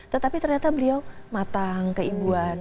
tetapi ternyata beliau matang keimbuan